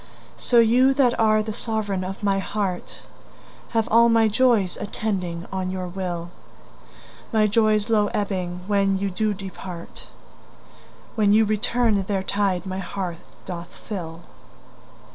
So you that are the sovereign of my heart Have all my joys attending on your will; My joys low ebbing when you do depart, When you return their tide my heart doth fill.